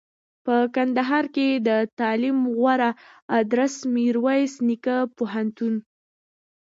په کندهار کښي دتعلم غوره ادرس میرویس نیکه پوهنتون